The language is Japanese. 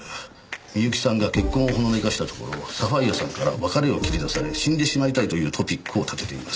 美由紀さんが結婚をほのめかしたところサファイアさんから別れを切り出され死んでしまいたいというトピックを立てています。